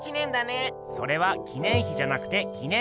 それは「記念碑」じゃなくて「記念日」！